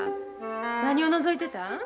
何をのぞいてたん？